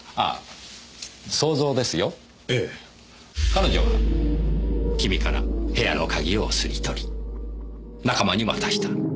彼女はキミから部屋の鍵を掏り取り仲間に渡した。